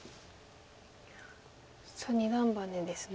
二段バネですね。